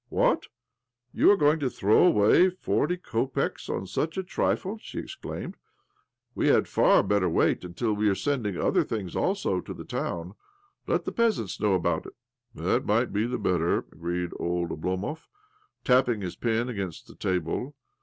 ' What? You are going to throw away forty kapecks on such a trifle?" she ex claimeid. ''We l^d far better wait until we are sending other things also to the town. Let the peasants know about it." '' That migfd be better," agreed old Oblo mov, tapping his pen against the table.